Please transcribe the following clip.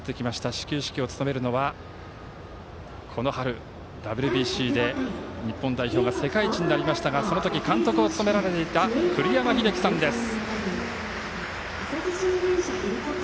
始球式を務めるのはこの春、ＷＢＣで日本代表が世界一になりましたがその時、監督を務められていた栗山英樹さんです。